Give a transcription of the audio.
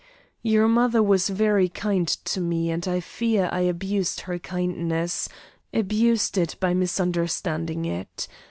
Your mother was very kind to me, and I fear I abused her kindness; abused it by misunderstanding it.